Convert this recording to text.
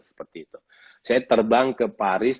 saya terbang ke paris